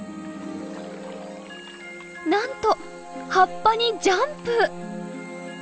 なんと葉っぱにジャンプ！